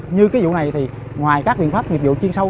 như cái vụ này thì ngoài các biện pháp nhiệm vụ chiên sâu